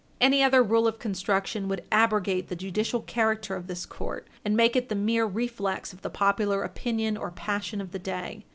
Any other rule of construction would abrogate the judicial character of this court, and make it the mere reflex of the popular opinion or passion of the day.